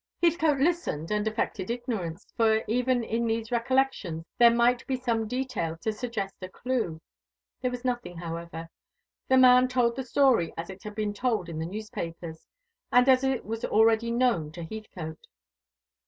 Heathcote listened, and affected ignorance: for, even in these recollections, there might be some detail to suggest a clue. There was nothing, however. The man told the story as it had been told in the newspapers, and as it was already known to Heathcote.